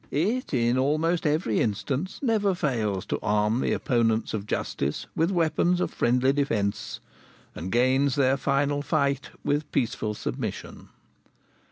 It in almost every instance never fails to arm the opponents of justice with weapons of friendly defence, and gains their final fight with peaceful submission.